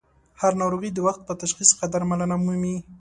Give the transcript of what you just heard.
هر ه ناروغي د وخت په تشخیص ښه درملنه مومي.